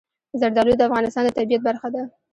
زردالو د افغانستان د طبیعت برخه ده.